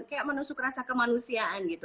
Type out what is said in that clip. kayak menusuk rasa kemanusiaan gitu